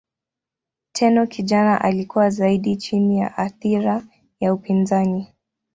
Tenno kijana alikuwa zaidi chini ya athira ya upinzani.